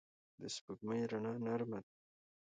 د سپوږمۍ رڼا نرمه ده